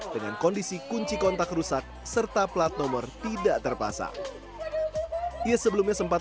dengan kondisi kunci kontak rusak serta plat nomor tidak terpasang ia sebelumnya sempat